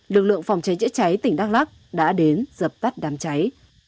lực lượng phòng cháy chữa cháy tỉnh đắk lắc đã đến dập tắt đám cháy